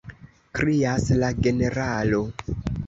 krias la generalo.